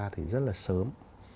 thì rất là sớm